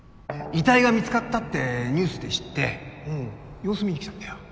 遺体が見つかったってニュースで知って様子見に来たんだよ